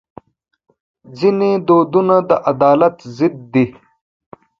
ځینې دودونه د عدالت ضد دي.